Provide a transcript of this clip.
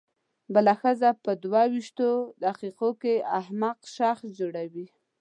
بله ښځه په دوه وېشتو دقیقو کې احمق شخص جوړوي.